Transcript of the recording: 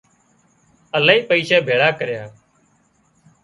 الاهي پئيشا ڀيۯا ڪريا